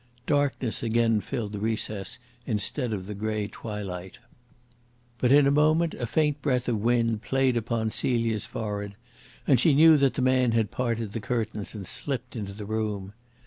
Darkness again filled the recess instead of the grey twilight. But in a moment a faint breath of wind played upon Celia's forehead, and she knew that the man had parted the curtains and slipped into the room.